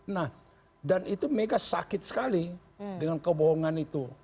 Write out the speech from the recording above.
nah dan itu mega sakit sekali dengan kebohongan itu